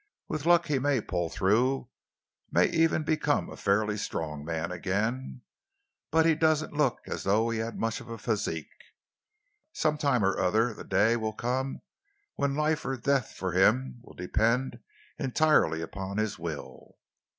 With luck he may pull through, may even become a fairly strong man again, but he doesn't look as though he had much of a physique. Sometime or other the day will come when life or death for him will depend entirely upon his will."